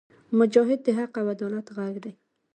مجاهد د حق او عدالت غږ دی.